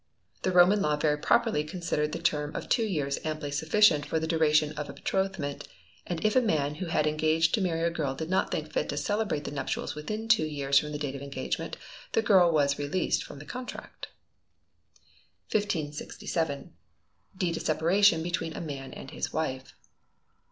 "The Roman Law very properly considered the term of two years amply sufficient for the duration of a betrothment; and if a man who had engaged to marry a girl did not think fit to celebrate the nuptials within two years from the date of the engagement, the girl was released from the contract." 1567. Deed of Separation between a Man and his Wife.